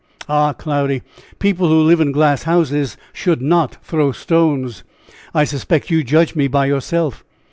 "Ah! Cloudy, people who live in glass houses should not throw stones; I suspect you judge me by yourself.